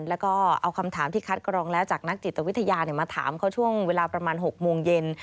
แล้วก็เอาคำถามที่คัดกรองแล้วจากนักจิตวิทยามาถามเขาช่วงเวลาประมาณ๖โมงเย็น